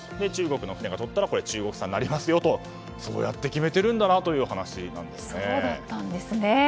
中国船がとったら中国産になりますよとそうやって決めているという話なんですね。